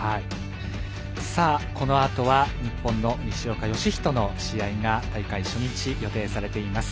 このあとは日本の西岡良仁の試合が大会初日予定されています。